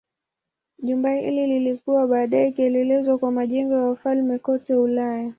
Jumba hili lilikuwa baadaye kielelezo kwa majengo ya wafalme kote Ulaya.